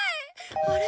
あれ？